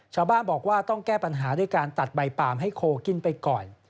ชาวบ้านบอกว่าต้องแก้ปัญหาด้วยการตัดใบปาล์มให้โคกินไปก่อน